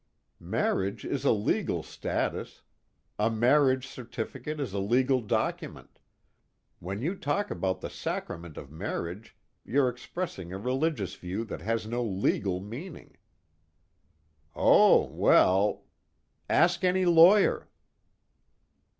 "Marriage is a legal status. A marriage certificate is a legal document. When you talk about the sacrament of marriage you're expressing a religious view that has no legal meaning." "Oh, well " "Ask any lawyer."